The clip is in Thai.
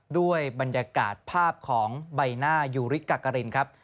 ด้วยบรรยากาศภาพของใบหน้ายูริกักรินครับ